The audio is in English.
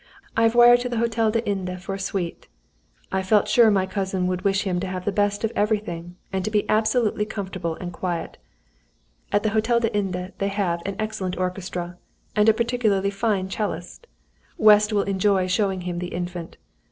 I have wired to the Hôtel des Indes for a suite. I feel sure my cousin would wish him to have the best of everything, and to be absolutely comfortable and quiet. At the Hôtel des Indes they have an excellent orchestra, and a particularly fine 'cellist. West will enjoy showing him the Infant.